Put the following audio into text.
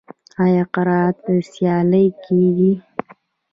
آیا قرائت سیالۍ کیږي؟